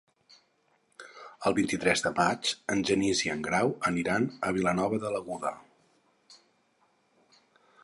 El vint-i-tres de maig en Genís i en Grau aniran a Vilanova de l'Aguda.